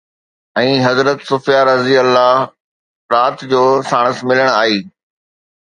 ۽ حضرت صفيه رضه رات جو ساڻس ملڻ آئي